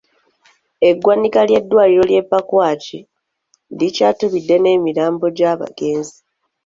Eggwanika ly'eddwaliro ly'e Pakwach likyatubidde n'emirambo gy'abagenzi.